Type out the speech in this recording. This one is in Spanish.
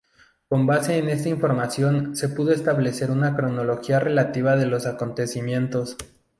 Con base en esta información se pudo establecer una cronología relativa de los acontecimientos.